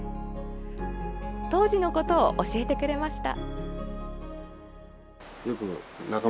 当時のことを教えてくれました。